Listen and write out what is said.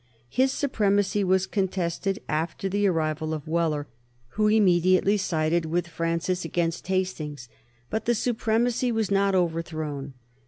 His supremacy was contested after the arrival of Wheler, who immediately sided with Francis against Hastings. But the supremacy was not overthrown.